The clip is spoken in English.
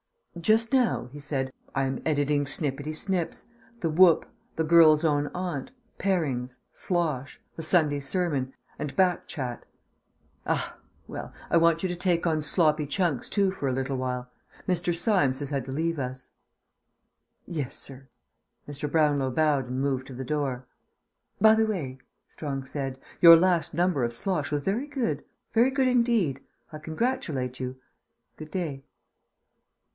"Just now," he said, "I am editing Snippety Snips, The Whoop, The Girls' Own Aunt, Parings, Slosh, The Sunday Sermon, and Back Chat." "Ah! Well, I want you to take on Sloppy Chunks too for a little while. Mr. Symes has had to leave us." "Yes, sir." Mr. Brownlow bowed and moved to the door. "By the way," Strong said, "your last number of Slosh was very good. Very good indeed. I congratulate you. Good day."